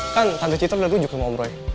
kan tante citra udah tunjuk sama om roy